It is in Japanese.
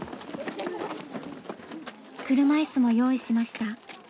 車イスも用意しました。